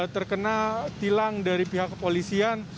terkena tilang dari pihak kepolisian